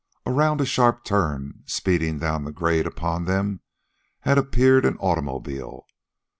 Around a sharp turn, speeding down the grade upon them, had appeared an automobile.